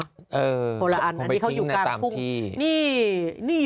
เออผมไปทิ้งในตามที่อันนี้เขาอยู่กลางทุ่งนี่นี่อยู่